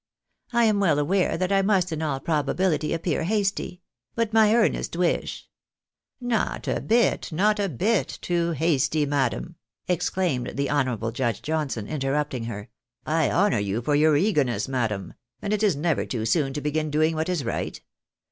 I am well aware that I must in all probability appear hasty ; but my earnest wish "" Not a bit, not a bit too hasty, madam," exclaimed the ho nourable Judge Johnson, interrupting her. " I honour you for your eagerness, madam ; and it is never too soon to begin doing what is right.